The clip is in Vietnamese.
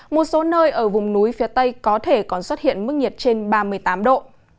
một số nơi ở vùng núi phía tây có thể còn xuất hiện mức nhiệt trên ba mươi tám độ